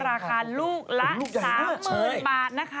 ราคาลูกละ๓๐๐๐บาทนะคะ